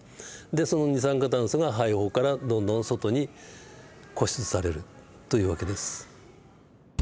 でその二酸化炭素が肺胞からどんどん外に呼出されるという訳です。